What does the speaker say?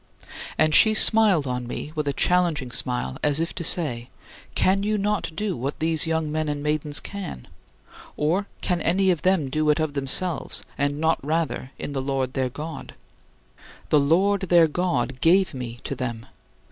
And she smiled on me with a challenging smile as if to say: "Can you not do what these young men and maidens can? Or can any of them do it of themselves, and not rather in the Lord their God? The Lord their God gave me to them.